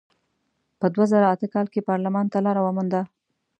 په دوه زره اته کال کې پارلمان ته لار ومونده.